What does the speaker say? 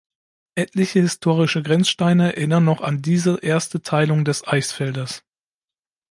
Etliche historische Grenzsteine erinnern noch an diese erste Teilung des Eichsfeldes.